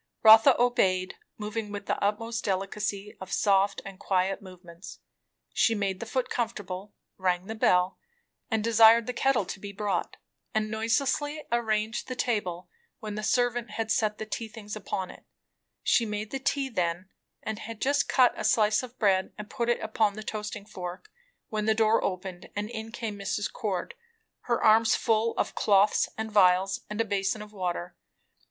Rotha obeyed, moving with the utmost delicacy of soft and quiet movements. She made the foot comfortable; rang the bell, and desired the kettle to be brought; and noiselessly arranged the table when the servant had set the tea things upon it She made the tea then; and had just cut a slice of bread and put it upon the toasting fork, when the door opened and in came Mrs. Cord, her arms full of cloths and vials and a basin of water.